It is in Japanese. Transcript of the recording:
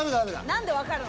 何で分かるの？